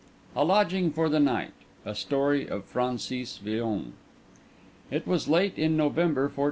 A LODGING FOR THE NIGHT A STORY OF FRANCIS VILLON It was late in November 1456.